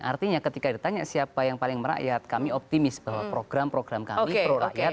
artinya ketika ditanya siapa yang paling merakyat kami optimis bahwa program program kami pro rakyat